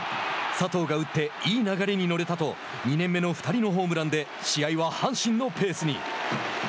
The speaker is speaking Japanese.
佐藤が打っていい流れに乗れたと２年目の２人のホームランで試合は阪神のペースに。